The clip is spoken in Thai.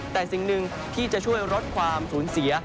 แต่สิ่งหนึ่งที่จะช่วยลดความสูญเสีย